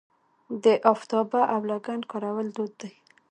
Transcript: د افتابه او لګن کارول دود دی.